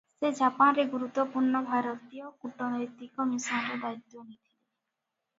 ସେ ଜାପାନରେ ଗୁରୁତ୍ୱପୂର୍ଣ୍ଣ ଭାରତୀୟ କୂଟନୈତିକ ମିଶନର ଦାୟିତ୍ୱ ନେଇଥିଲେ ।